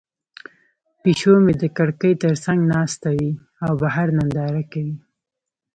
پیشو مې د کړکۍ تر څنګ ناسته وي او بهر ننداره کوي.